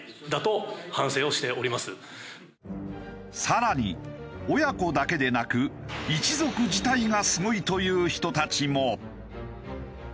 更に親子だけでなく一族自体がすごいという人たちも。